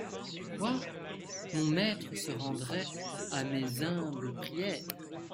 Quoi ! mon maître se rendrait à mes humbles prières ?